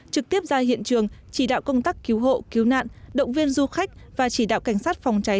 trực tiếp ra hiện trường chỉ đạo công tác cứu hộ cứu nạn động viên du khách và chỉ đạo cảnh sát phòng cháy